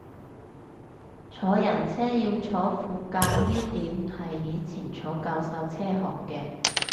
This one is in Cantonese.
坐人車要坐副駕呢點係以前坐教授車學嘅